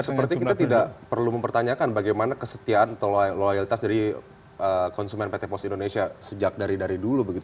seperti kita tidak perlu mempertanyakan bagaimana kesetiaan atau loyalitas dari konsumen pt pos indonesia sejak dari dulu begitu